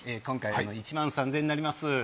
今回１万３０００円になります